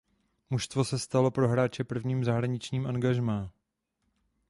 Mužstvo se stalo pro hráče prvním zahraničním angažmá.